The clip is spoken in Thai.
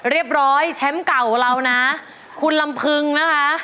เรียบร้อยแชมป์เก่าเรานะคุณลำพึงนะคะ